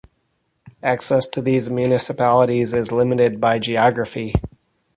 Access to these municipalities is limited by geography.